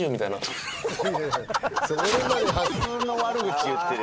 普通の悪口言ってる。